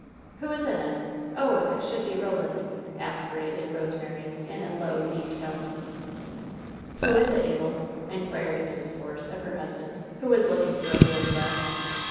"Who is in it ? Oh, if it should be Roland !" as pirated Rosemary, in a low, deep tone. "Who is it, Abel?" inquired Mrs. Force of her hus band, who was looking through a field glass.